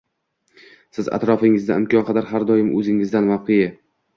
Siz atrofingizni imkon qadar har doim o’zingizdan mavqei